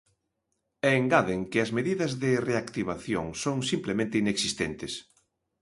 E engaden que as medidas de reactivación son, simplemente, inexistentes.